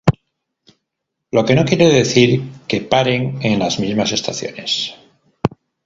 Lo que no quiere decir que paren en las mismas estaciones.